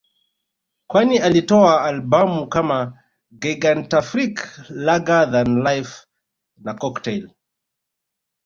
kwani alitoa Albamu kama Gigantafrique Larger than life na Cocktail